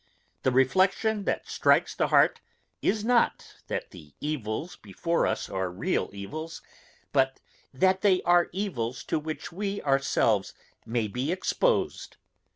The reflection that strikes the heart is not, that the evils before us are real evils, but that they are evils to which we ourselves may be exposed.